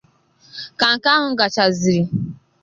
Ka nke ahụ gachazịrị